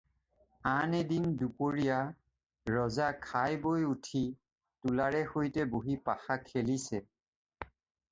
আন এদিন দুপৰীয়া ৰজা খাই-বই উঠি তুলাৰে সৈতে বহি পাশা খেলিছে।